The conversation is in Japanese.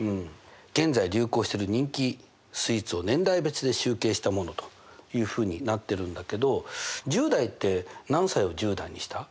現在流行してる人気スイーツを年代別で集計したものというふうになってるんだけど１０代って何歳を１０代にした？